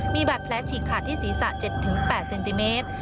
มีบาดแผลฉีกขาดที่ศีรษะ๗๘เซนติเมตร